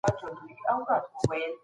د زده کړې فرصتونه باید مساوي وي.